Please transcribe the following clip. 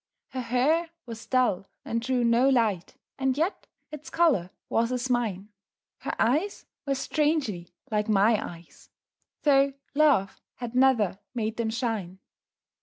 Her hair was dull and drew no light, And yet its color was as mine; Her eyes were strangely like my eyes, Tho' love had never made them shine.